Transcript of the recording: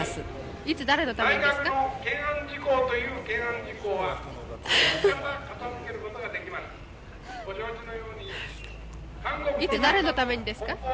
いつ誰のためにですか？